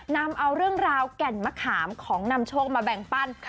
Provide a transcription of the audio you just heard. นำเอาเรื่องราวแก่นมะขามของนำโชคมาแบ่งปั้น